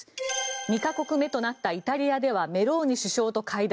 ２か国目となったイタリアではメローニ首相と会談。